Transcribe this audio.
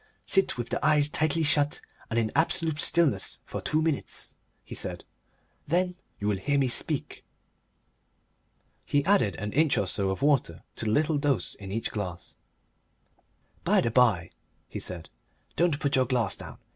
"Sit with the eyes tightly shut and in absolute stillness for two minutes," he said. "Then you will hear me speak." He added an inch or so of water to the little dose in each glass. "By the by," he said, "don't put your glass down.